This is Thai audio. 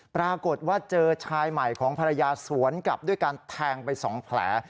ปรากฏว่าเจอชายใหม่ของภรรยาสวนกลับด้วยการแทงไป๒แผล